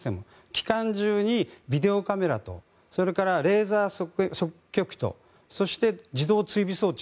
機関銃にビデオカメラとそれからレーダーと自動追尾装置